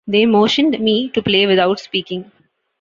They motioned me to play without speaking.